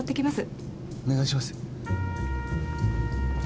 お願いします。